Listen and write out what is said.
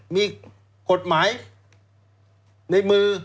มีกฎหมายในมือ